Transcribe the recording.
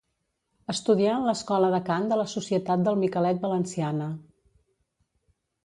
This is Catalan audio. Estudià en l'Escola de Cant de la Societat del Miquelet valenciana.